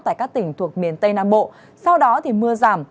tại các tỉnh thuộc miền tây nam bộ sau đó mưa giảm